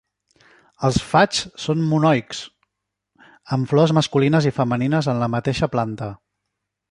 Els faigs són monoics, amb flors masculines i femenines en la mateixa planta.